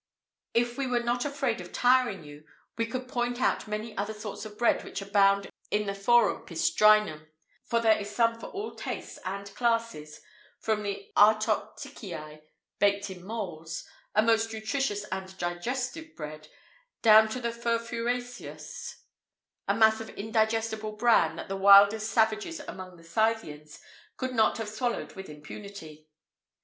[IV 72] If we were not afraid of tiring you, we could point out many other sorts of bread which abound in the Forum Pistrinum, for there is some for all tastes and classes, from the artopticii, baked in moulds,[IV 73] a most nutritious and digestive bread, down to the furfuraceus, a mass of indigestible bran that the wildest savages among the Scythians could not have swallowed with impunity.